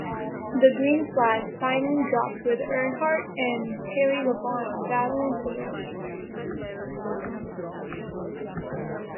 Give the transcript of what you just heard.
The green flag finally dropped with Earnhardt and Terry Labonte battling for the lead.